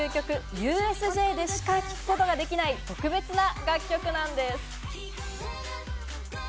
ＵＳＪでしか聴くことができない特別な楽曲なんです。